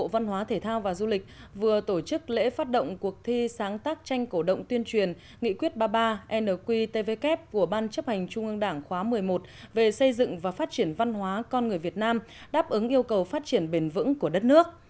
bộ văn hóa thể thao và du lịch vừa tổ chức lễ phát động cuộc thi sáng tác tranh cổ động tuyên truyền nghị quyết ba mươi ba nqtvk của ban chấp hành trung ương đảng khóa một mươi một về xây dựng và phát triển văn hóa con người việt nam đáp ứng yêu cầu phát triển bền vững của đất nước